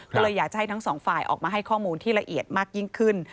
ก็เลยอยากจะให้ทั้งสองฝ่ายออกมาให้ข้อมูลที่ละเอียดมากยิ่งขึ้น